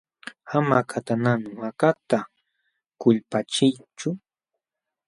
Ama akatanqanu akata kulpachiychu.